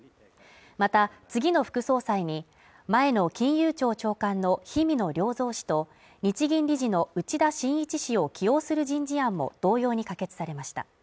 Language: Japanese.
また、次の副総裁に前の金融庁長官の氷見野良三氏と日銀理事の内田眞一氏を起用する人事案も同様に可決されました。